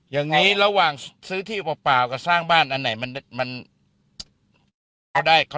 อย่างนี้ระหว่างซื้อที่เปล่ากลัวสร้างบ้านอันไหนเขาได้ผลประโยชน์มากกว่ากันครับ